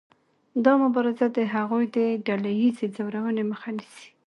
دا مبارزه د هغوی د ډله ایزې ځورونې مخه نیسي.